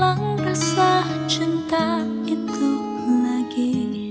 janganlah cinta itu lagi